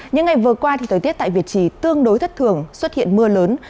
những ngày vừa qua thời tiết tại việt trì tương đối thất thường xuất hiện mưa lớn